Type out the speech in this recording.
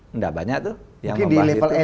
tidak banyak tuh yang memahami itu mungkin di level